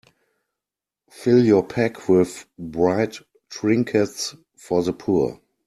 Fill your pack with bright trinkets for the poor.